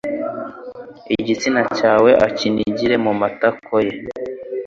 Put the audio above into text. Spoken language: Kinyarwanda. igitsina cyawe akinigire mu matako ye